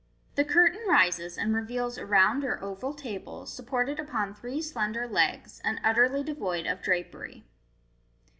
The curtain rises, and reveals a round or oval table, supported upon three slender legs, and utterly devoid of drapery.